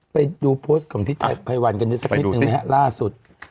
ไปดูโพสต์ของพี่ไทยวันกันได้สักนิดนึงไหมฮะล่าสุด